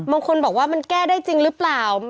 บางคนบอกว่ามันแก้ได้จริงหรือเปล่า